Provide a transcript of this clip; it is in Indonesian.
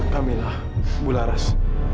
kamila bu laras